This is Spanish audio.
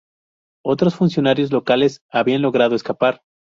Otros funcionarios locales habían logrado escapar.